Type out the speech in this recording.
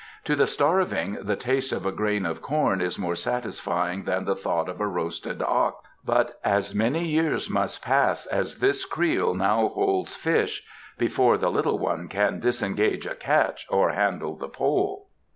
"To the starving the taste of a grain of corn is more satisfying than the thought of a roasted ox, but as many years must pass as this creel now holds fish before the little one can disengage a catch or handle the pole."